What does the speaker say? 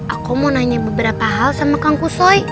aku mau nanya beberapa hal sama kang kushoy